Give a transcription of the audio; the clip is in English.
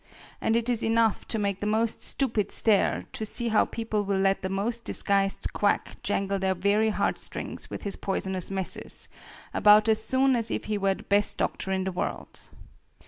And it is enough to make the most stupid stare, to see how people will let the most disgusting quack jangle their very heartstrings with his poisonous messes, about as soon as if he were the best doctor in the world.